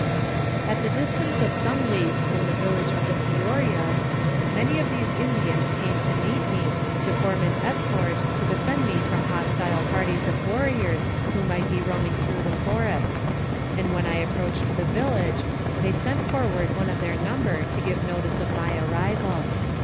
"At the distance of some leagues from the village of the Peouariast many of these Indians came to meet me, to form an escort to defend me from hostile par ties of warriors who might be roaming through the forest; and when I ap proached the village, they sent forward one of their number to give notice of my arrival.